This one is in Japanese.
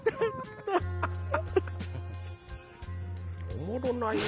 おもろないな。